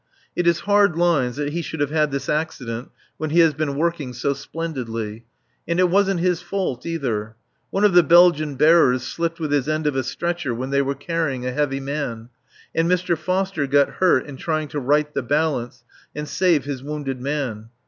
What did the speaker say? It is hard lines that he should have had this accident when he has been working so splendidly. And it wasn't his fault, either. One of the Belgian bearers slipped with his end of a stretcher when they were carrying a heavy man, and Mr. Foster got hurt in trying to right the balance and save his wounded man.